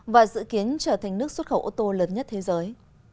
và dự kiến trở thành nước xuất khẩu ô tô lớn nhất thế giới